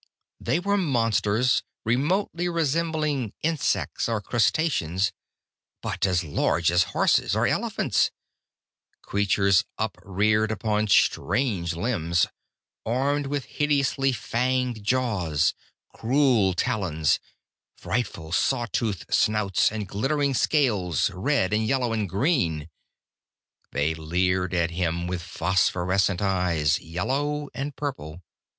They were monsters remotely resembling insects or crustaceans, but as large as horses or elephants; creatures upreared upon strange limbs, armed with hideously fanged jaws, cruel talons, frightful, saw toothed snouts, and glittering scales, red and yellow and green. They leered at him with phosphorescent eyes, yellow and purple.